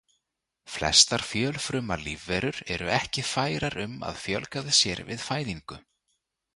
Flestar fjölfruma lífverur eru ekki færar um að fjölgað sér við fæðingu.